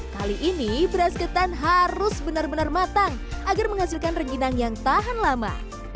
kali ini beras ketan harus benar benar matang agar menghasilkan rengginang yang tahan lama